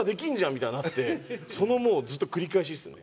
みたいになってそのもうずっと繰り返しですよね。